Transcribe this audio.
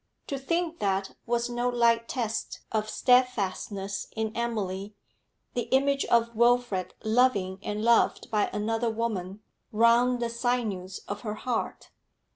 To think that was no light test of steadfastness in Emily the image of Wilfrid loving and loved by another woman wrung the sinews of her heart.